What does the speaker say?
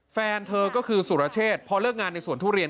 แฟนเธอก็คือสุรเชษพอเลิกงานในสวนทุเรียน